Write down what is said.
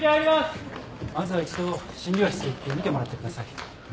まずは一度診療室へ行って診てもらってください。